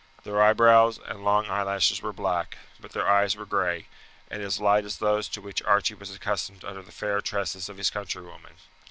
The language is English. Their eyebrows and long eyelashes were black, but their eyes were gray, and as light as those to which Archie was accustomed under the fair tresses of his countrywomen.